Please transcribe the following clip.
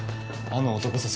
あの男さ